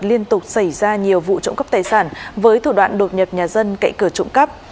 liên tục xảy ra nhiều vụ trộm cắp tài sản với thủ đoạn đột nhập nhà dân cậy cửa trộm cắp